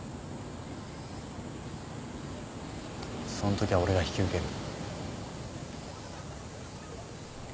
そんときは俺が引き受ける。